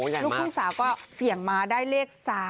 ลูกทุ่งสาวก็เสี่ยงมาได้เลข๓